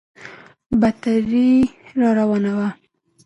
بدتري راروانه وه.